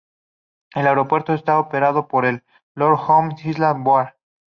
El aeropuerto está operado por el 'Lord Howe Island Board'.